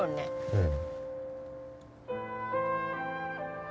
うん。